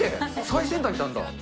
最先端に来たんだ。